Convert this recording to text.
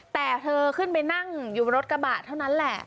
แต่เธอขึ้นไปนั่งอยู่บนรถกระบะเท่านั้นแหละ